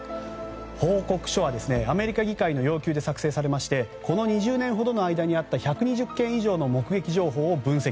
報告書はアメリカ議会の要求で作成されてこの２０年ほどの間にあった１２０件以上の目撃情報を分析。